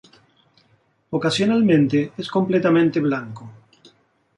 Ocasionalmente es completamente blanco.